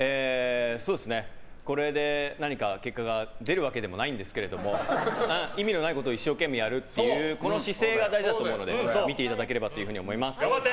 これで何か結果が出るわけでもないんですけども意味のないことを一生懸命やるというこの姿勢が大事だと思うので見ていただければと思います。